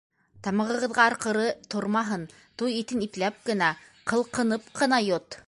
Тамағығыҙға арҡыры тормаһын, туй итен ипләп кенә, ҡылҡынып ҡына йот.